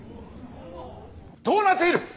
どうなっている！